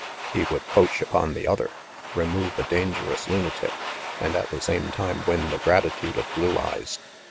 He would poach upon the other, remove a dangerous lunatic, and at the same time win the gratitude of Blue Eyes.